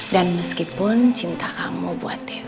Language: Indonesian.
dan kan meskipun cinta kamu buat kamu